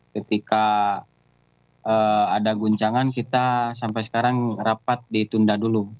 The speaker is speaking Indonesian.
ketika ada guncangan kita sampai sekarang rapat ditunda dulu